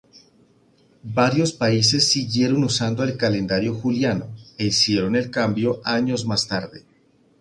Varios países siguieron usando el calendario juliano, e hicieron el cambio años más tarde.